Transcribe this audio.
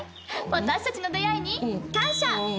私たちの出会いに感謝！